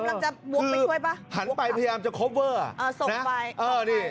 กำลังจะบวกไปช่วยป่ะหันไปพยายามจะคอปเวอร์อ่าส่งไปเออนี่